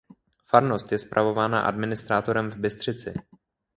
Farnost je spravována administrátorem v Bystřici.